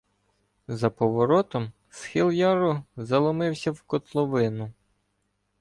За поворотом схил яру заломився в котловину.